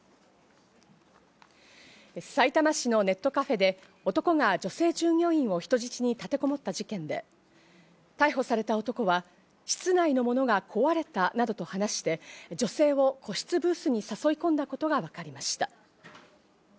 さいたま市のネットカフェで男が女性従業員を人質に立てこもった事件で、逮捕された男は室内の物が壊れたなどと話して女性を個室ブースに誘い込んだことがわかりました。